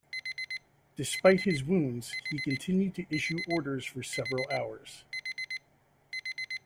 Despite his wounds, he continued to issue orders for several hours.